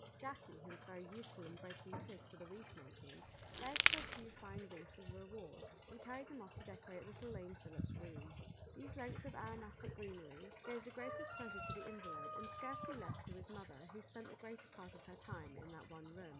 Jackie, who was very useful in breaking twigs for the wreath making, begged a few fine wreaths as a reward, and carried them off to decorate little lame Philip's room. These lengths of aromatic greenery gave the greatest pleasure to the invalid, and scarcely less to his mother, who spent the greater part of her time in that one room.